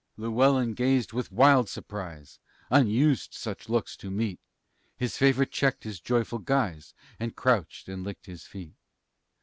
Llewellyn gazed with wild surprise, Unused such looks to meet; His favorite checked his joyful guise, And crouched and licked his feet.